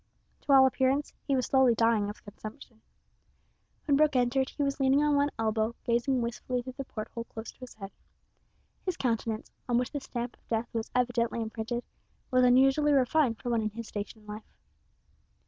To all appearance he was slowly dying of consumption. When Brooke entered he was leaning on one elbow, gazing wistfully through the port hole close to his head. His countenance, on which the stamp of death was evidently imprinted, was unusually refined for one in his station in life.